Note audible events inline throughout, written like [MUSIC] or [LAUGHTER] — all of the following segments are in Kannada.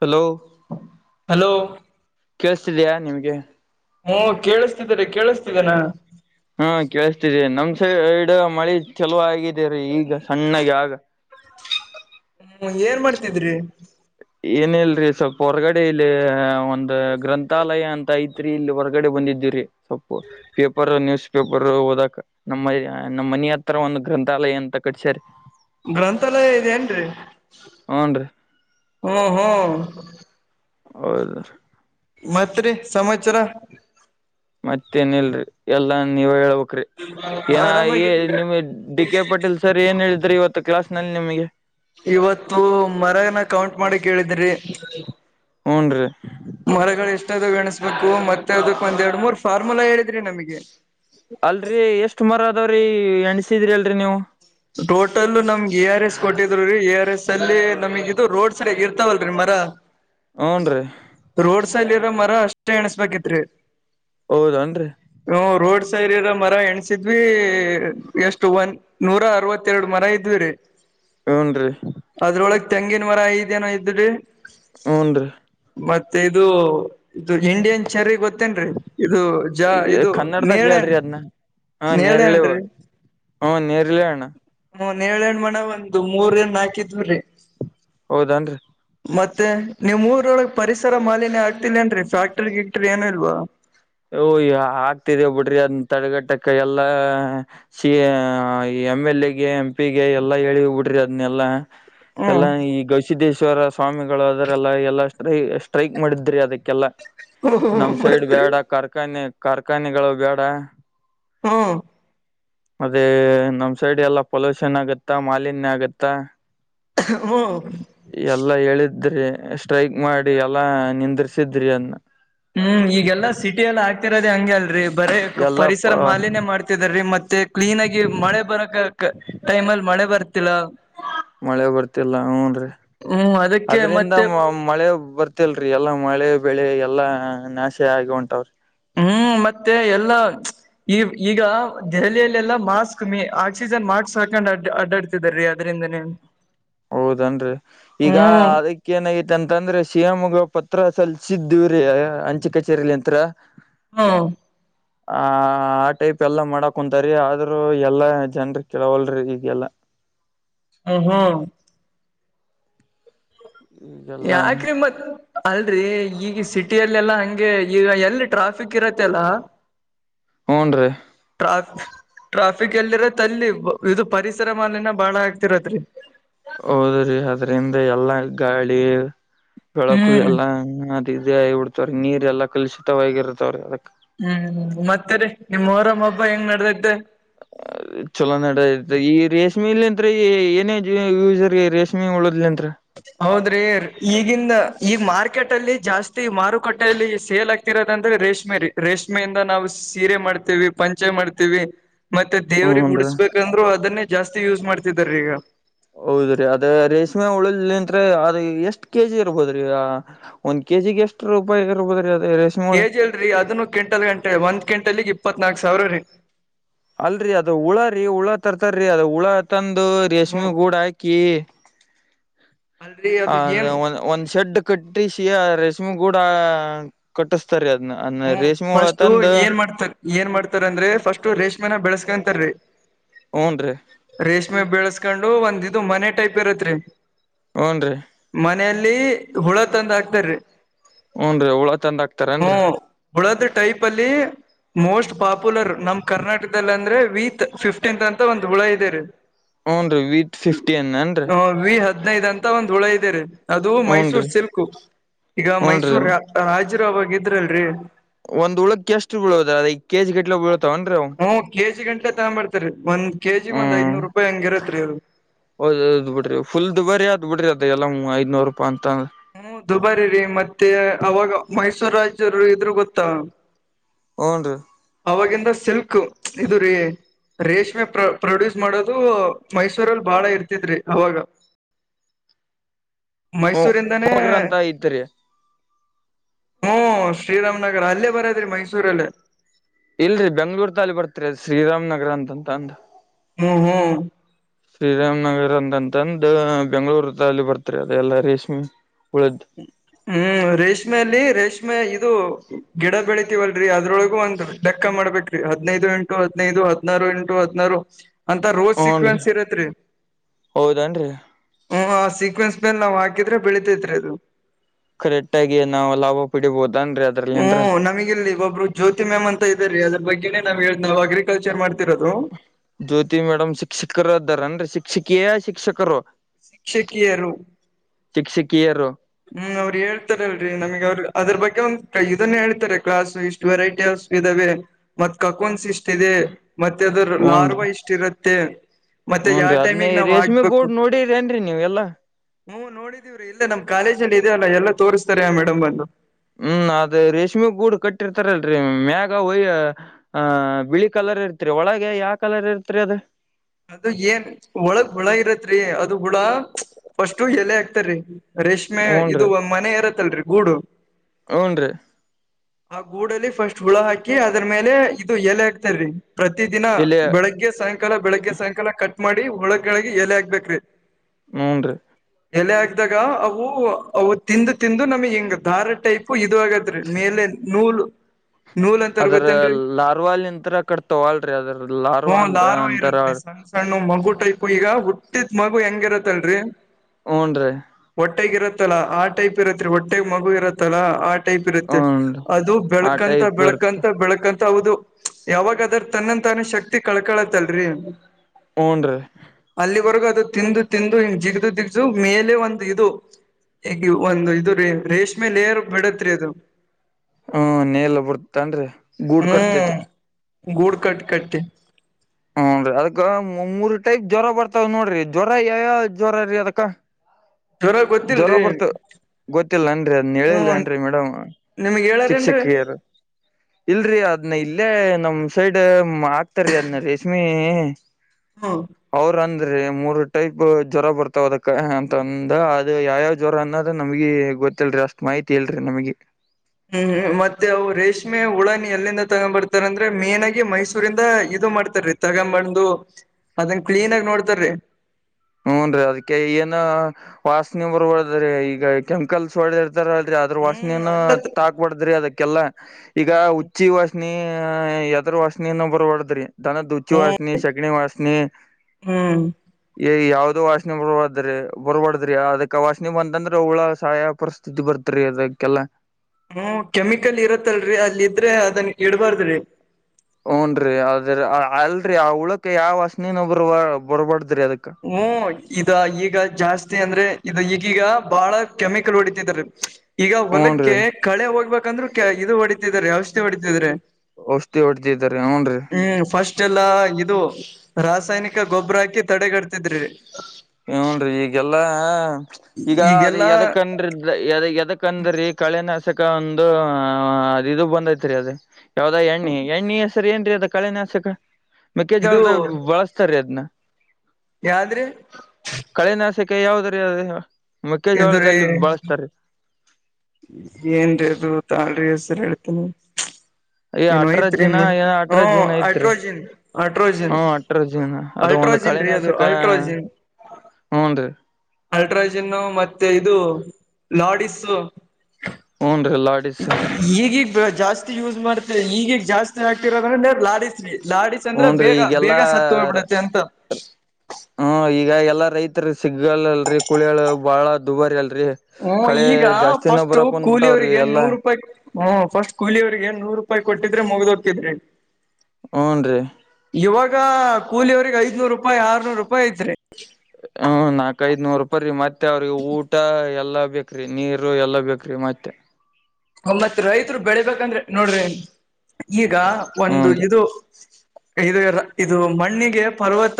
ಹಲೋ ಹಲೋ ಕೇೇಳಸ್ತಿದಯಾ ನಿಮ್ಗೆ ಹ್ಮ ಕೇಳಿಸ್ತಿದರಿೀ ಕೇಳಿಸತಿದೇನಾ ಹ್ಮ ಕೇಸ್ತೀರಿ ನಮ್ದ ಎರಡ ಮಳೆ ಚಲೋ ಆಗಿದೆ ರೀ ಈಗ ಸಣ್ಣಗೆ ಆಗ ಹ್ಮ್ ಏನ್ ಮಾಡ್ತಿದ್ರಿ ಏನ ಇಲ್ರಿ ಸ್ವಲ್ಪ ಹೊರ್ಗಡೆ ಇಲ್ಲಿ ಒಂದ ಗ್ರಂಥಾಲಯ ಅಂತ ಐತ್ರಿ ಇಲ್ಲಿ ಹೊರ್ಗಡೆ ಬಂದಿದಿರರಿ ಸ್ವಲ್ಪ ಪೇಪರ್ ನ್ಯೂಸ್ ಪೇಪರ್ ಓದಕ್ ನಮ್ಮ ನಮ್ಮ್ ಮನ ಹತ್ರ ಒಂದು ಗ್ರಂಥಾಲಯ ಅಂತ ಕಟ್ಸ್ರೀ ಗ್ರಂಥಾಲಯ ಇೇಏನ್ರಿ ಹೂನ್ರಿ ಹ್ಮ್ ಹ್ಮ್ ಹೌದ ಮತ್ರಿ ಸಮಾಚಾರ ಮತ್ತೇನ್ ಇಲ್ರಿ ಎಲ್ಲಾ ನೀವು ಹೇಳಬೆ ಏನ ಆರಾಮಾಗಿ ನಿಮ್ ಡಿ ಕೆ ಪಟೀಲ್ ಸರ್ ಏನ್ ಹೇಳಿದ್ರೆ ಇವತ್ತು ಕ್ಲಾಸ್ ನಲ್ಲಿ ನಿಮಗೆ ಇವತ್ತು ಮರನ ಕೌಂಟ್ ಮಾಡಿ ಕೇಳಿದ್ರಿ ಹುನ್ರಿ ಮರಗಳು ಎಷ್ಟಾದ ಎಣಸ್ಬೇಕು ಮತ್ತೆ ಅವದಕ್ ಒಂದ ಎರಡು ಮೂರ್ ಫಾರ್ಮುಲಾ ಹೇಳಿದ್ರಿ ನಮಗೆ ಅಲ್ರರಿ ಎಷ್ಟ್ ಮರ ಅದಾವ್ರೀ ಎಣಸಿದ್ರಿ ಅಲ್ರರಿ ನೀವು ಟೋಟಲ್ ನಮ್ಗೆ ಎ ಆರ್ ಎಸ್ ಕೊಟ್ಟಿದ್ರು ರೀ ಎ ಆರ್ ಎಸ್ ಅಲ್ಲಿ ನಮಗ ಇದು ರೋಡ್ ಸೈಡ್ಗ ಇರ್ತಾವಲ್ರರಿ ಮರ ಹುನ್ರಿ ಸೈಡಲ್ಲಿ ಇರೋ ಮರ ಅಷ್ಟೇ ಎಣಸ್ಬೇಕತ್ರಿ ಹೌದನ್ರಿ ಸೈಡ್ ಇರೋ ಮರ ಎಣಸಿದ್ವಿ ಎಷ್ಟು ನೂರ ಅರವತ್ತೆರಡು ಮರ ಇದ್ವಿರಿ ಹುನ್ರಿ ತೆಂಗಿನಮರ ಐದೇನೋ ಇದ್ರಿ ಹುನ್ರಿ ಮತ್ತೆ ಇದು ಇದು ಇಂಡಿಯನ್ ಚೆರ್ರಿ ಕನ್ನಡದಾಗ ನೇರಳೆಹಣ್ ಹೇಳ್ರಿ ಅದ್ನ್ [INAUDIBLE] ಹಾ ನೇರಳೆ ಹೂ ನೇರಳೆಹಣ್ಣ್ರಿ ಹಾ ನೇರ್ಳೇ ಹಣ್ಣು ಹ್ಮ್ ನೇರಳೆ ಹಣ್ಣು ಮರ ಒಂದು ಮೂರರಿಂದ ನಾಕಿದ್ವಿ ಹೌದನ್ರಿ ಮತ್ತೆ ನಿಮ್ಮೂರೊಳಗೆ ಪರಿಸರ ಮಾಲಿನ್ಯ ಆಗ್ತಿಲ್ಲೇ ಏನ್ರರಿ ಫ್ಯಾಕ್ಟರಿ ಗೀಟ್ರೀ ಏನ ಇಲ್ವಾ ಓ ಆಗ್ತರಿ ಬಿಡ್ರಿ ಅದ್ ತಡೆಗಟ್ಟಕ ಎಲ್ಲಾ ಸಿ ಎಮ್ ಎಲ್ ಎಗೆ ಎಂ ಪಿಗೆ ಎಲ್ಲಾ ಹೇಳಿವ ಬಿಡ್ರಿ ಅದನೆಲ್ಲಾ ಹ್ಮ್ ಎಲ್ಲ ಈ ಗವಿಸಿದ್ದೇಶ್ವರ ಸ್ವಾಮಿಗಳು ಅದ್ರೆಲ್ಲ ಎಲ್ಲ ಸ್ಟ್ರೈಕ್ ಮಾಡಿದ್ರಿ ಅದಕ್ಕೆಲ್ಲಾ ನಮ್ ಸೈಡ್ ಬೇಡ [UNINTELLIGIBLE] ಕಾರ್ಖಾನೆ ಕಾರ್ಖಾನೆಗಳು ಬೇಡ ಹೂ ಅದೇ ನಮ್ ಸೈಡ್ ಎಲ್ಲಾ ಪೊಲ್ಯೂಶನ್ ಆಗತ್ತಾ ಮಾಲಿನ್ಯ ಆಗತ್ತ ಹೂ ಎಲ್ಲಾ ಹೇಳಿದ ಇದ್ರಿ ಸ್ಟ್ರೈಕ್ ಮಾಡಿ ಎಲ್ಲಾ ನಿಂದರ್ಸಿದ್ರಿ ಅದನ್ನ ಹ್ಮ್ ಈಗೆಲ್ಲಾ ಸಿಟಿ ಎಲ್ಲ ಆಗ್ತಿರೋದೇ ಹಂಗೆ ಅಲ್ರರಿ ಬರ ಎಲ್ಲಪ್ಪ ಪರಿಸರ ಮಾಲಿನ್ಯ ಮಾಡ್ತಿದಾರೀ ಮತ್ತೆ ಕ್ಲೀನ್ ಆಗಿ ಮಳೆ ಬರಕ ಟೈಮ್ ಅಲ್ಲಿ ಮಳೆ ಬರ್ [UNINTELLIGIBLE] ಮಳೆ ಬರ್ತಿಲ್ಲಾ ಹುನ್ರಿ ಹ್ಮ್ ಅದಕ್ಕೆ ಅದ್ರಿಂದ ಮತ್ತೆ ಮಳೆ ಬರ್ತ ಇತ್ತಲ್ರಿ ಎಲ್ಲಾ ಮಳೆ ಬೆಳೆ ಎಲ್ಲಾ ನಾಶ ಆಗಿ ಉಂಟವ್ರಿ ಹ್ಮ್ ಮತ್ತೆ ಎಲ್ಲಾ ಈ ಈಗ ದೆಹಲಿಯಲ್ಲ ಎಲ್ಲಾ ಮಾಸ್ಕ್ ಮ ಆಕ್ಸಿಜನ್ ಮಾಸ್ಕ್ ಹಾಕೊಂಡ್ ಅಡ್ ಅಡ್ಡಾಡ್ತಿದಾರೀ ಅದರಿದನೇ ಹೌದನ್ರಿ ಈಗ ಅದಕ್ಕ ಏನಾಗೈತಿ ಅಂತಂದ್ರೆ ಶಿವಮಗಪ್ಪತ್ ಹತ್ರ ಸಲ್ಿಸಿದ್ದೇವ್ರೀ ಅಂಚೆ ಕಚೇರಿಲಿ ಯಂತ್ರ ಹಾ ಆ ಆ ಟೈಪ್ ಎಲ್ಲ ಮಾಡ ಕುಂತಾರ ಆದ್ರರು ಎಲ್ಲಾ ಜನ್ರ ಕೆಳವಲ್ರಿ ಈಗೆಲ್ಲ ಹ್ಮ ಹ್ಮ ಈಗೆಲ್ಲಾ ಯಾಕ್ರಿ ಮತ್ ಅಲ್ರರಿ ಈಗ ಸಿಟಿಯಲ್ಲೆಲ್ಲಾ ಹಂಗೆ ಈಗ ಎಲ್ಲಿ ಟ್ರಾಫಿಕ್ ಇರತ್ತೆ ಅಲ್ಲ ಹಊನ್ ರೀ ಟ್ರಾಫಿಕ್ ಎಲ್ಲಿರ ತಲ್ಲಿ ಇದು ಪರಿಸರ ಮಾಲಿನ್ಯ ಬಾಳ ಆಾಕ್ತಿರತ್ರಿ ಹೌದ್ರಿ ಅದ್ರಂದ ಎಲ್ಲಾ ಗಾಳಿ ಬೆಳಕು ಹ್ಮ್ ಎಲ್ಲಾ ಇದೇ ಇ ಬಿಡ್ತವ್ರೀ ನೀರ್ ಎಲ್ಲಾ ಕಲುಷಿತವಾಗಿ ಇರ್ತವ್ರೀ ಅದಕ್ಕೆ ಹ್ಮ್ ಮತ್ತೆರಿ ನಿಮ್ಮ್ ರಮ್ಮ ಹಬ್ಬ ಹೆಂಗ ನಡದೈ್ದ ಚಲೋ ನಡ ಈ ರೇಷ್ಮೆ ಇಲಿ ಅಂತ್ರ ಏನೇ ಯೂಸರ್ ರೇಷ್ಮೆ ಉಳದ್ಲಿ ಅ ಹೌದ್ರಿ ಈಗಿಂದ ಈಗ ಮಾರ್ ಮಾರ್ಕೆಟ್ ಅಲ್ಲಿ ಜಾಸ್ತಿ ಮಾರುಕಟ್ಟೆಯಲ್ಲಿ ಸೇಲ್ ಆಗ್ತಿರೋದ ಅಂದ್ರೆ ರೇಷ್ಮೆ ರೀ ರೇಷ್ಮೆಯಿಂದ ನಾವು ಸೀರೆ ಮಾಡ್ತೇವಿ ಪಂಚೆ ಮಾಡ್ತೀವಿ ಮತ್ತೆ ದೇವ್ರಗ್ ಹೂನ್ರಿ ಗಡಸ್ಬೇಕಂದ್ರು ಅದನ್ನೇ ಜಾಸ್ತಿ ಯೂಸ್ ಮಾಡ್ತಿದಾರ ಈಗ ಹೌದ್ರಿ ಅದೇ ರೇಷ್ಮೆ ಉುಳಲ್ ಅಂದು ಅದ ಎಷ್ಟ್ ಕೆಜಿ ಇರ್ಬೋದ್ರಿ ಒಂದ್ ಕೆಜಿ ಎಷ್ಟ್ ರೂಪಾಯಿ ಇರ್ಬೋದ್ರಿ ಅದ ರೇಷ್ಮೆ ಹುಳ ಕೆಜಿ ಅಲ್ರರಿ ಅದನ್ನು ಕೆಂಟಲ್ ಗಂಟ ಒಂದ್ ಕಂಟಲ್ಿಗೆ ಇಪ್ಪತ್ನಾಲ್ಕು ಸಾವಿರ ರೀ ಅಲ್ರರಿ ಅದ ಹುಳ ರೀ ಹುಳ ತರ್ತಾರೀ ಅದ ಹುಳ ತಂದು ರೇಷ್ಮಿ ಹ್ಮ್ ಗೂಡ ಹಾಕಿ ಅಲ್ರಿ ಅದು ಏನ್ ಹೆ ಒ ಒಂದ್ ಶೆಡ್ ಕಟ್ಟ್ರಿ ರೆಶ್ಮಿ ಕೂಡ ಕಟ್ಟಿಸ್ತಾರೆ ಅದು ಹ್ಮ ಫಸ್ಟ್ು ಏನ್ ಮಾಡ್ತಾರ ಏನ್ ಮಾಡ್ತಾರ ಅಂದ್ರೆ ಫಸ್ಟ್ ರೇಷ್ಮೆನ ಬೆಳಸ್ಕೊಂತಾರೀ ಹೂನ್ರಿ ರೇಷ್ಮೆ ಬೆಳೆಸ್ಕೊಂಡು ಒಂದ್ ಇದು ಮನೆ ಟೈಪ್ ಇರತ್ರಿ ಹ್ನ್ ರೀ ಮನೆಯಲ್ಲಿ ಹುಳ ತಂದ ಹಾಕ್ತಾರೀ ಹೂನ್ರೀ ಹುಳ ಚಂದ ಆಕ್ತಾರೇನ್ರರಿ ಳದ ಟೈಪ್ ಅಲ್ಲಿ ಮೋಸ್ಟ್ ಪಾಪ್ಯುಲರ್ ನಮ್ಮ್ ಕರ್ನಾಟಕದಲ್ಲಿ ಅಂದ್ರೆ ವೀತ್ ಫಿಫ್ಟೀನ್ತ್ ಅಂತ ಒಂದ್ ಹುಳ ಇದೆ ರೀ ್ನ್ರೀ ವೀತ್ ಫಿಫ್ಟಿನ್ ಏನ್ರರಿ ಹದ್ನೈದು ಅಂತ ಒಂದ್ ಹುಳ ಇದದೆ ರರಿ ಅದು ಹೂನ್ರಿ ಮೈಸೂರ್ ಸಿಲ್ಕ ಈಗ ಹೂನ್ರಿ ಮೈಸೂರು ರಾಜ್ಯ ಹಜೀರ ಅವಾಗ ಇದ್ರಲ್ರರಿ ಒಂದ್ ಉಳಕ್ಕೆ ಎಷ್ಟು ಬೀಳೋದ ಅದ ಈ ಕೆಜಿ ಗಟ್ಲೆ ಬೀಳ ಹ್ಮ್ ಕೆಜಿ ಗಂಟ್ಲೆ ತಗಂಬರತ್ತಿವರಿ ಒಂದ ಕೆಜಿಗ್ ಒಂದ ಐದನೂರು ರೂಪಾಯಿ ಹಂಗಿರ ಅ ಹೌದೌದು ಬಿಡ್ರಿ ಫುಲ ದುಬರಿ ಅದ್ ಬಿಡ್ರಿ ಅದೆಲ್ಲಾ ಐದನೂರು ರೂಪ ಅಂತ ಹ್ಮ್ ದುಬಾರಿ ರೀ ಮತ್ತೆ ಅವಾಗ ಮೈಸೂರು ರಾಜರು ಇದ್ರು ಗೊತ್ತಾ ಹ್ನ್ ರೀ ಅವಾಗಿಂದ ಸಿಲ್ಕ್ ಇದು ರೀ ರೇಷ್ಮೆ ಪ್ರ ಪ್ರೊಡ್ಯೂಸ್ ಮಾಡೋದು ಮೈಸೂರಲ್ಲಿ ಬಾಳ ಇರ್ತತ್ರೀ ಅವಾಗ ಹಓ ಮೈಸೂರಿಂದಾನೇ ಹಗ್ರಂತ ಇದ್ದರಿ ಹ್ಮ್ ಶ್ರೀರಾಮ್ನಗರ ಅಲ್ಲೇ ಬರದ್ರಿ ಮೈಸೂರಲ್ಲೇ ಇಲ್ರರಿ ಬೆಂಗ್ಳೂರ್ ತಾಲಿ ಬರ್ತ್ರಿ ಶ್ರೀರಾಮ್ನಗರ ಅಂತಂತ ಅಂದ ಹ್ಮ್ ಹ್ಮ್ ಶ್ರೀರಾಮನಗರ ಅಂದನ್ ತಂದ ಬೆಂಗ್ಗಳೂರ್ಲ್ಲಿ ಬರ್ತರಿ ಅದ ಎಲ್ಲ ರೇಷ್ಮೆ ಉಳದ್ ಹ್ಮ್ ರೇಷ್ಮಯಲ್ಲಿ ರೇಷ್ಮೆ ಮ್ಮೆ ಇದು ಗಿಡ ಬೆಳತಿವಲ್ರರಿ ಅದ್ರೊಳಗು ಒಂದು ಲೆಕ್ಕ ಮಾಡ್ಬೇಕೇರಿ ಹದ್ನೈದು ಇಂಟು ಹದ್ನೈದು ಹದ್ನಾರು ಇಂಟು ಹದ್ನಾರು ಅಂತ ರೋಜ ಹೂನ್ ರೀ ಸೀಕ್ವೆನ್ಸ್ ಇರತ್ರಿ ಹೌದನ್ರಿ ಹ್ಮ್ ಸೀಕ್ವೆನ್ಸ್ ಮೇಲೆ ನಾವ್ ಹಾಕಿದ್ರ ಬೆಳಿತಿದ್ರೆ ಅದು ಕರೆಕ್ಟ್ ಆಗ ನಾವು ಲಾಭ ಪಡಿಬಹುದು ಹ್ಮ್ ನಮಗ ಇಲ್ಲಿ ಒಬ್ರು ಜ್ಯೋತಿ ಮ್ಯಾಮ್ ಅಂತ ಇದ ರೀ ಅದ್ರ ಬಗ್ಗೆ ನಾವ್ ನಾವು ಅಗ್ರಿಕಲ್ಚರ್ ಮಾಡ್ತಿರೋದು ಜ್ಯೋತಿ ಮೇಡಮ್ ಶಿಕ್ಷಕರ್ದಾರ ಅಂದ್ರೆ ಶಿಕ್ಷಿಕಿಯ ಶಿಕ್ಷಕರು ಶಿಕ್ಷಕಿಯರು ಕಿಯರೋ ಹ್ಮ್ ಅವ್ರ ಹೇಳ್ತಾರಲ್ರರಿ ನಮಗ್ ಅವ್ರ ಅದ್ರ ಬಗ್ಗೆ ಒ ಇದನ್ನ ಹೇಳ್ತಾರೆ ಕ್ಲಾಸ್ ಇಷ್ಟು ವೆರೈಟಿ ಇದಾವೆ ಮತ್ ಕಕೋನ್ಸ್ ಇಷ್ಟ ಇದೆ ಮತ್ತೆ ಅದ್ರ ಹೂನ್ರಿ ಲಾರ್ವಾ ಇಷ್ಟ ಇರುತ್ತೆ ಮತ್ತೆ ಮತ್ತೆ ಯಾವ ಹೂನ್ರಿ ಅದ್ನೇ ಟೈಮಗ್ ನಾವ್ ರೇಷ್ಮೆ ಆಗ್ಬೇಕು ಗೂಡ್ ನೋಡಿರೇನ್ರಿ ನೀವ್ ಎಲ್ಲಾ ಹ್ಮ್ ನೋಡಿದೀವ್ರೀ ಇಲ್ಲ ನಮ ಕಾಲೇಜ ಅಲ್ಲಿ ಇದೆೆಯಲ್ಲ ಎಲ್ಲ ತೋರಿಸ್ತಾರೆ ಮೇಡಮ್ ಬಂದು ಹ್ಮ್ ಅದ ರೇಷ್ಮೆ ಗೂಡ್ ಕಟ್ಟಿರ್ತಾರಲ್ರರಿ ಮ್ಯಘ ಒಯ ಆ ಬಿಳಿ ಕಲರ್ ಇರ್ತರಿ ಒಳಗ ಯಾವ ಕಲರ್ ಇರ್ತ್ರಿ ಅದ ಅದು ಏನ್ ಒಳಗ್ ಹುಳ ಇರತ್ರಿ ಅದು ಹುಳ ಫಸ್ಟು ಎಲೆ ಹಾಕ್ತಾರಿ ರೇಷ್ಮೆ ಇದು ಮನೆಯರ ಲ್ರಿ ಗೂಡು ಹೂನ್ ರೀ ಆ ಗೂಡಲ್ಲಿ ಫಸ್ಟ್ ಹುಳ ಹಾಕಿ ಅದ್ರ ಮೇಲೆ ಇದು ಎಲೆ ಹಾಕ್ತಾರಿ ಪ್ರತ ದಿನ ಇಲ್ಲಿ ಬೆಳಿಗ್ಗೆ ಸಾಯಂಕಾಲ ಬೆಳಿಗ್ಗೆ ಕಟ್ ಮಾಡಿ ಒಳಗ್ಳಗೆ ಎಲೆ ಹಾಕ್ಬೇಕ್ರೀ ಹೂನ್ರಿ ಎಲೆ ಹಗ್ದಾಗ ಅವು ಅವು ತಿಂದು ತಿಂದು ನಮಗ್ ಹಿಂಗ್ ದಾರ ಟೈಪ್ ಆಗತ್ೀ ಮೇಲೆ ನೂಲ್ ನೂಲ್ ಅಂತ ಅದರ ಗೊತ್ತೇನ್ೀ ಲಾರ್ವಾಲಿಂತ್ರ ಕಟ್ತಾವಲ್ರಿ ಅದ್ರ ಹ ಲಾರ್ವಾ ಅಂತ ಲಾರವ ಅಂತಾರ ಇರುತ್ತ ಸಣ್ಣ ಸಣ್ಣ ಮಗು ೈಪ್ ಈಗ ಹುಟ್ಟಿದ ಮಗು ಹೆಂಗಿರತ್ತಲ್ರರಿ ಹಊನ್್ರೀ ಹೊಟ್ಟೆಗ ಇರತ್ತಲ್ಲ ಆ ಟೈಪ್ ಇರತ್ರಿ ಹೊಟ್ಟೆಗೆ ಮಗು ಇರತ್ತಲ್ಲಾ ಆ ಟೈಪ್ ಇರುತ್ತೆ ಹೂನ್ರಿ ಅದು ಆ ಬೆಳಕಂತ ಟೈಪ್ ಇರ್ತ್ ಬೆಳಕಂತ ಬೆಳಕಂತ ಹೌದು ಯಾವಾಗ ಅದ್ರ ತನ್ನ ತಾನ ಶಕ್ತಿ ಕಳ್ಕಳತ್ತಲ್ರಿ ಹಊನ್ ರೀ ಅಲ್ಲಿವರೆಗೂ ತಿಂದು ತಿಂದು ಹಿ ಜಿಗ್ದ ದಿಗದುು ಮೇಲೆ ಒಂದು ಇದು ಈಗ ಒಂದು ಇದು ರೇಷ್ಮೆ ಲೇರ್ ಬಿಡತ್ರಿ ಅದು ಹ್ಮ ನೇಲ್ಲ ಬಿಡ್ತನ್್ರಿ ಗೂಡ್ ಕಟ್ತತ್ ಗುಡ ಕಟ್ಟ ಕಟ್ಟೆ ಹ್ನ್ೀ ಅದಕ್ಕ ಮೂರ್ ಟೈಪ್ ಜ್ವರ ಬರ್ತದ್ ನೋಡ್ರಿ ಜ್ವರ ಯಾವ ಜ್ವರ ರೀ ಅದಕ್ಕ ಜ್ವರ ಜ್ವರ ಗೊತ್ತಿಲ್ರಿ ಬರ್ತ ಗೊತ್ತಿಲ್ಲನ್ರಿ ಅದ್ನ್ ಹ್ಮ ಹೇಳಿಲ್ಲೇಏನ್ರಿ ಮೇಡಮ್ ನಿಮಗ್ ಹೇಳಾರೇನ್ರಿ ಶಿಕ್ಷಕಿಯರು ಇಲ್ರಿ ಅದ್ನ ಇಲ್ಲೇ ನಮ್ಮ್ ಸೈಡ್ ್ಮ್ಮೇ ಹ್ಮ್ ಅವ ಅ ಅ್ರೀ ಮೂರ್ ಟೈಪ್ ಜ್ವರ ಬರ್ತಾವ ಅದಕ್ಕ ಅಂತಂದ ಅದು ಯಾವ್ಯಾವ ಜ್ವರ ಅನ್ನೋದ ನಮಗ ಗೊತ್ತಿಲ್ರಿ ಅಷ್ಟ್ ಮಾಹಿತಿ ಇಲ್ರರಿ ನಮಗೆ ಹ್ಮ್ ಮತ್ತೆ ಅವು ರೇಷ್ಮೆ ಉುಳನ್ಿ ಎಲ್ಲಿಂದ ತಗೊ್ಂಬರ್ತಾರ ಅಂದ್ರೆ ಮೇನ್ ಆಗಿ ಮೈಸೂರಿಂದ ಇದು ಮಾಡ್ತಾರೀ ತಗೊಂಬಂದು ಅದನ್ ಕ್ಲೀನ್ ಆಗಿ ನೋಡ್ತಾರಿ ಹೂನ್ ರೀ ಅದಕ್ಕೆ ಏನ ವಾಸನೆ ಬರು ಹೊದ್ರಿ ಈಗ ಕೆಮಿಕಲ್ಸ್ ಹೊಡೆದ ರ ಹೇಳ್ರಿ ಆದ್ರೂ ಹ್ಮ್ ವಾಾಸನ ಅಲ್ಲತ್ ತಾಕ್ಬಡ್ರಿ ಅದಕ್ಕೆಲ್ಲ ಈಗ ಹುಚ್ಚಿ ವಾಾಸನೆ ್ ಎದ್ರು ವಾಸಿನೆಯನ್ನ ಬರ್ಬಡದ್ರಿ ತಾನ ದೂಚ ಹ್ಮ್ ವಾಸನ ಶೆಗಣ ವಾಸನ ಹ್ಮ್ ಯಾವ್ದೋ ವಾಾಸನೆಿ ಬರ್ಬಾದ್ರಿ ಬರ್ಬಾರಡ್ದ್ರಿ ಅದಕ್ಕೆ ವಾಸನೆಿ ಬಂದಂದ್ರೆ ಅವಳ ಸಹಾಯ ಪರಿಸ್ಥಿತಿ ಬರ್ತರಿ ಅದಕ್ಕೆಲ್ಲ ಹ್ಮ ಕೆಮಿಕಲ್ ಇರತ್ತಲ್ರರಿ ಅಲ್ ಇದ್ರೆ ಅದನ್ ಇಡ್ಬಾರ್ದ್ರಿ ್ನ್ರರಿ ಅದ್ರ ಅಲ್ರರಿ ಆ ಉಳಕ ಯಾವಾಸ ನೀನ ಬರ್ ಬರ್ಬಡ್ದ ಹ್ಮ್ ಇದ ಈಗ ಜಾಸ್ತಿ ಅಂದ್ರೆ ಇದು ಈಗೀಗ ಬಹಳ ಕೆಮಿಕಲ್ ಹೊಡಿತಿದ ರ ಈಗ ಹೂನ್ರಿ ಹೊಲಗೆ ಕಳೆ ಹೋಗ್ಬೇಕ ಯಾಕಂದ್ರೆ ಇದು ಹೊಡಿತಿದ್ರ ಔಷಿ ಹೊಡಿತಿದ್ರೆ ಔಷಧಿ ಹೊಡ್ದಿದ್ರಿ ಹೂನ್ರಿ ಹ್ಮ್ ಫಸ್ಟ್ ಎಲ್ಲ ಇದು ರಾಸಾಯನಿಕ ಗೊಬ್ಬರ ಹಾಕಿ ತಡೆಗಡ್ ಇದದ್ರ ್ನ್ೀ ಈಗೆಲ್ಲಾ ಈಗ ಅದು ಈಗೆಲ್ಲಾ ಎದಕಂಡ್ರದ ಎದಕ್ ಕಂದರೆ ಕಳಿ ಸಕ ಒಂದು ಅ ಇದು ಬಂದೈತ್ರಿ ಅದು ಯಾದಾ ಎಣ್ಣೆ ಎಣ್ಣಿ ಸರಿ ಏನ್ರೀ ಅದ ಕಳೆ ನಾಸಕ ಮೇಕೆ ಜಳದ ಬಳಸ್ತಾರೀ ಅದ್ನ್ನ ಯದ್ರಿ ಯಾವ್ದ ರೀ ಅ ಮುಖಜ್ವಾಳದಲ್ಲಿ ಬಳಸ್ತಾರೆ ಏನ್ರಿೀ ಅದು ತಾಳ್ರಿ ಹೆಸರ ಹೇಳ್ತೇನಿ ಈ ಅಠರ ಜಿನ ಏನ ಅಟರ ಜಿನ ಐತ್ರಿ ಅಟ್ರೋಜಿನ್ ಅಟ್ರೋಜಿನ್ ಹ್ಮ ಅಠರ ಜಿನ ಅದು ಒಂದು ಅಲ್ಟ್ರೋಜಿನ್ ರೀ ಅದು ಕಳೆನಾಸಕ ಅಲ್ಟ್ರೋಜಿನ್ ಹನ್ೀ ಅಲ್ಟ್ರಾಜೆನ್ನು ಮತ್ತೆ ಇದು ಲಾಡಿಸ್ು ಹ್ಮನ್ ಲಾಡಿಸ್ ಜಾಸ್ತಿ ಯೂಸ್ ಮಾಡ್ತೇ ಈಗಗ್ ಜಾಸ್ತಿ ಆಗ್ತಿರೋದ್ರ ಲಾರಿಸಸ್ ರೀ ಲಾಡಿ ಚಂದ್ರ ಹೂನ್ರಿ ಬೇಗ ಬೇಗ ಈಗೆಲ್ಲಾ ಸತ್ತು ಹೋಗ್ಬಿಡತ್ತೆ ಅಂತ ಹ್ಮ ಈಗ ಎಲ್ಲಾ ರೈತರು ಸಿಗ್ಗಲ್ಲ್ರರಿ ಕುಳಿಯಳ ಬಾಳ ದುಬಾರಿ ಅಲ್ರಿ ಹ್ಮ್ ಕಳೆ ಈಗ ಜಾಸ್ತಿನ ಫಸ್ಟ್ು ಬರಕ್ ಕುಂದ್ಬಿಟ್ಟಾವ್ರಿ ಕೂಲಿಯವರಿಗೆ ಎಲ್ಲಾ ನೂರು ರೂಪಾಯಿ ಹ್ಮ್ ಫಸ್ಟ್ ಕೂಲಿಯವರಿಗೆ ನೂರು ರೂಪಾಯಿ ಕೊಟ್ಟಿದ್ರೆ ಮುಗ್ದ ಹೋಗ್ತಿದ್ರಿ ಹಊನ್ ರೀ ಇವಾಗ ಕೂಲಿಯವ್ರರಿಗೆ ಐದನೂರು ರೂಪಾಯಿ ಆರ್ನೂರು ರೂಪಾಯಿ ಐತ್ರಿ ಹ್ಮ್ ನಾಕ ಐದ್ನೂರು ರೂಪೀ ಮತ್ತೆ ಅವ್ರಿಗೆ ಊಟ ಎಲ್ಲ ಬೇಕ್ರಿ ನೀರು ಎಲ್ಲ ಬೇಕ್ರಿ ಮತ್ತೆ ಹ ಮತ್ ರೈತರು ಬೆಳಿಬೇಕಂದ್ರೆ ನೋಡ್ರಿ ಈಗ ಒಂದು ಹೂನ್ರಿ ಇದು ಇದು ಇದು ಮಣ್ಣಿಗೆ ರ್ವತ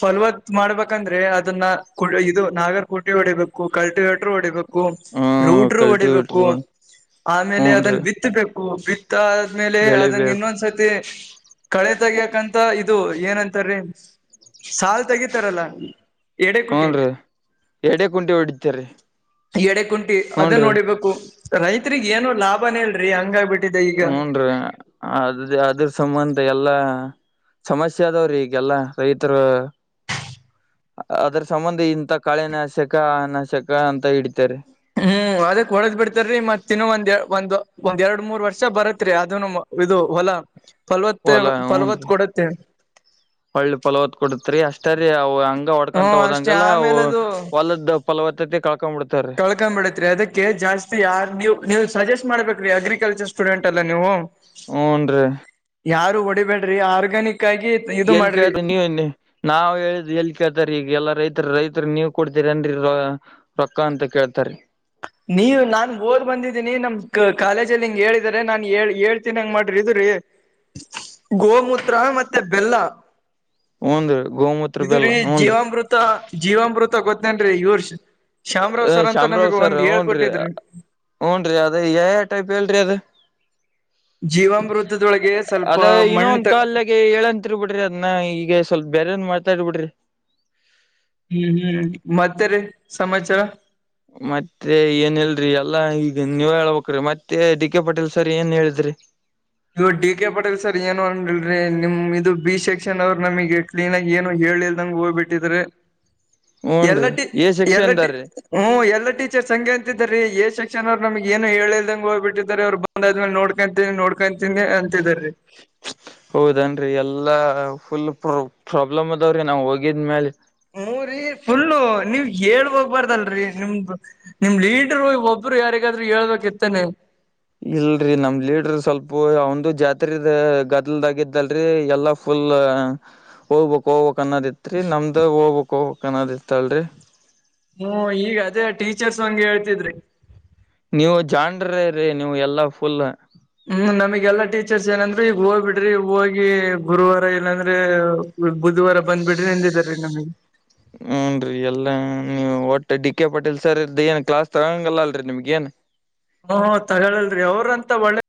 ಫರ್ವತ್ ಮಾಡ್ಬೇಕಂದ್ರೆ ಅದನ್ನ ಇದು ನಾಗರ್ಕೋಟೆ ಹೊಡಿಬೇಕು ಕಲ್ಟಿಗಟರು ಹೊಡಿಬೇಕು ಹ್ಮ ರೌಡ್ರು ಹೊಡಿಬೇಕು ಕಲ್ಟಿವೇಟ್ರಿ ಆಮೇಲೆ ಅದನ್ನ ಹೂನ್ರಿ ಬಿತ್ತಬೇಕು ಹಓ ಆದ್ಮೇಲೆ ಅದನ್ನ ಬೆಳಿಬೇಕು ಇನ್ನೊಂದ್ಸತಿ ಕಳೆ ತಗಿಯಕಂತ ಇದು ಏನಂತಾರೀ ಸಾಲ್ ತೆಗಿತಾರಲ್ಲ ಹ್ನ್ ಎಡೆಕುಟಿ ರೀ ಎರಡೇ ಕುಂಟಿ ಹೊಡಿತೀ ಈಯಡೆ ಕುಂ ಿ ಅದೇ ನೋಡಿಬೇಕು ರೈತರಿಗ್ ಏನು ಲಾಭನೇಲ್ರರಿ ಹಂಗಾಗಿಬಿಟ್ಟ ಹೂನ್ ರೀ ಅದ ಅದ್ರ ಸಂಬಂಧ ಎಲ್ಲಾ ಸಮಸ್ಯೆ ಅದವ್ರಿ ಈಗೆಲ್ಲ ರೈತರು ಅದರ ಸಂಬಂಧ ಇಂಂತ ಕಾಳೆನಾಾಶಕ ಅ ನಾಶಕ ಅಂತ ಹಿಡಿತಾರೆ ಹ್ಮ್ ಅದಕ್ ಹೊಡೆದ್ ಬಿಡ್ತಾರೀ ಮತ್ತ ಇನ್ನು ಒಂದ್ ಒಂದ್ ಒಂದ್ ಎರಡ್ ಮೂರ್ ವರ್ಷ ಬರತ್ರಿ ಅದನು ಇದು ಹೊಲ ಫಲವತ್ತೆ ಹೊಲಾ ಹಊನ್ ಫಲವತ್ ರೀ ಕೊಡತ್ತೆ ಒಳ್ಳೆ ಪಲೋಾವತ್ ಕೊಡತ್ರಿ ಅಷ್ಟ ರಿ ಅವುಂಗ ಹ್ಮ ಹೊಡ್ಕೊಂತ ಅಷ್ಟೇ ಹೋದಂಲ್ಲದ ಫವತ್ತತೆ ಕಳ್ಕಂಬೇತ್ರಿ ಅದಕ್ಕೆ ಜಾಸ್ತಿ ಯಾರ್ ನೀಲ್ ಸಜೆಸ್ಟ್ ಮಾಡ್ಬೇಕು ರೀ ಅಗ್ರಿಕಲ್ಚರ್ ಸ್ಟೂಡೆಂಟ್ ಎಲ್ಲ ನೀವು ಹನ್ ರೀ ಯಾರು ಹೊಡಿಬೇಡ್ರಿ ಆರ್ಗ್ಯಾನಿಕ್ ಆಗಿ ಈಗ ಇದು ಎಲ್ಲಿ ಮಾಡ್ರಿ ಕೇಳ್ತ ನೀವ ನಾವ್ ಹೇಳಿದ್ ಎಲ್ಲಿ ಕೇಳ್ತಾರ ಈಗ ಎಲ್ಲಾ ರೈತರು ರೈತ ನೀವ ಕೊಡ್ತೀರಿಏನ್ರಿ ರೊಕ್ಕ ಅಂತ ಕೇಳ್ತಾರೆ ನೀವ ನಾನ್ ಓದ್ ಬಂದಿದ್ದೀನಿ ನಮ್ ಕ ಕಾಲೇಜಲ್ಲಿ ಹಿಂಗ್ ಹೇಳಿದರೆ ನಾನ್ಳ್ ಹೇಳ್ತೀನಿ ಹಂಗ ಮಾಡ್ರಿ ಇದ್ರಿ ಗೋಮೂತ್ರ ಮತ್ತೆ ಬೆಲ್ಲ ಹೂನ್ರಿ ಗೋಮೂತ್ರ ಬೆಲ್ಲ ಹೂನ್ರಿ ಜೀವಮೃತ ಗೊತ್ತೇನ್ರೀ ಇವರ್ಷ ಶಾಮರಾವ್ ಸರ್ ಅಂತ ಅಮ್ರಾವ್ ನಮಗ್ ಸರ್ ಒಂದ್ ಹ್ನ್್ರರಿ ಹೇಳ್ಕೊಟ್ಟಿದ್ರಿ ಹ್ನ್್ರರಿ ಅದ ಯ ಟೈಪ್ ಹೇಳ್ರಿ ಅದ ಜೀವಾಮೃತದೊಳಗೆ ಸ್ವಲ್ಪ ಅದ ಇನ್ನೊ ಮಣ್ಣ ಒಂದ ತ ಕಲ್ಾಗ ಹೇಳಏಂತರ್ ಬಿಿಡ್ರಿ ಅದನ್ನ ಈಗ ಸ್ವಲ್ಪ ಬೇರೆನ್ ಮಾಡ್ತ ಬಿಟ್ಟರಿ ಹ್ಮ್ ಹ್ಮ್ ಮತ್ತೆ ರೀ ಸಮಾಚಾರ ಮತ್ತೆ ಏನ್ ಇಲ್ರಿ ಎಲ್ಲಾ ಈಗ ನೀವ ಹೇಳ್ಬೇಕ್ರಿ ಮತ್ತೆ ಡಿ ಕೆ ಪಟೀಲ್ ಸರ್ ಏನ್ ಹೇಳಿದ್ರಿ ಇವು ಡಿ ಕೆ ಪಟೇಲ್ ಸರ್ ಏನು ಅಿ ನಿಮ್ ಇದು ಬಿ ಸೆಕ್ಷನ್ ಅವರು ನಮಗೆ ಕ್ಲೀನ್ ಆಗಿ ಏನು ಹೇಳಿಲ್ದಂಗಗೆ ಹೋಗ್ಬಿಟ್ಟಿದ್ರೆ ಹೂನ್ ಎಲ್ಲ ರೀ ಟ ಎ ಎಲ್ಲ ಟ ಸೆಕ್ಷನ್ದಾರ್ರೀ ಹ್ಮ ಎಲ್ಲ ಟೀಚರ್ಸ್ ಹಗೆ ಅಂತಿದೀ ಶಕ್ತಿ ಚನ್ ನಮಗ್ ಏನು ಹೇಳಲ್ದಂಗ ಹ್ಬ ಬಿಟ್ಟಿದಿದ್ದಾರೆ ಅವ್ ಬಂದಾದ್ಮ ನೋಡ್ಕೊಂತೀ ನೋ ಹಂತಿ ಹೌದನ್ರಿ ಎಲ್ಲಾ ಫುಲ್ ಪ್ರೊ ಪ್ರಾಬ್ಲಮ್ ಅದಾವ್ರೀ ನಾವು ಹೋಗಿದ್ಮೇಲೆ ಹ್ಮ ರರಿ ಫುಲ್ಲು ನೀವ್ ಹೇಳ್ಬಕ್ ಬಾರ್ದಲ್ರರಿ ನಿಮ್ದ ನಿಮ್ ಲೀಡರು ಒಬ್ರು ಯಾರಿಗಾದ್ರರು ಹೇಳ್ಬೇಕಕ್ ಇತ್ತೇನೆ ಇಲ್ರರಿ ನಮ ಲೀಡರ್ ಸ್ವಲ್ಪ ಅವಂದು ಜಾತ್ರೆದ ಗದಲ್ದಾಗಿದ್ದಲ್ರರಿ ಎಲ್ಲಾ ಫುಲ್ ಹೋಗ್ಬೇಕಕ್ ಹೋಗ್ ಕನ್ನೋದ ಇತ್ರಿ ನಮ್ದಾಗ ಹೋಗ್ಬೇಕು ಕ ಹೇತಳರೆ ಹ್ಮ ಈಗ ಅದೇ ಟೀಚರ್ಸ್ ಹಂಗಗೆ ಹೇಳ್ತಿದ್ರಿ ನೀವು ಜಾನ್್ರ ರೀ ನೀವು ಎಲ್ಲಾ ಫುಲ್ ಹ್ಮ್ ನಮಗೆಲ್ಲಾ ಟೀಚರ್ಸ್ ಏನಂದ್ರೆ ಈಗ ಹೋಗ್ಬಿಡ್ರಿ ಹೋಗಿ ಗುರುವಾರ ಏನಂದ್ರೆ ಬುಧವಾರ ಬಂದ್ ಬಿಿ್ರಿೆಂದಿದಿದ್ದಾರೆ ಹ್ಮ್ಮ ಹನ್ರರಿ ಎಲ್ಲಾ ನೀ ಒಟ್ಟ ಡಿ ಕೆ ಪಟೀಲ್ ಸರ್ ಇದ್ದ ಏನ್ ಕ್ಲಾಸ್ ತರಂಗಲ್ಲ ಅಲ್ರರಿ ನಿಮ್ಗ ಏನ್ ಹ್ಮ ತಗೊಳ್ಳಲ್ರಿ ಅವ್ರಂತ ಒಳ್ಳೆ